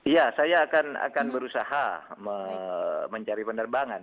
ya saya akan berusaha mencari penerbangan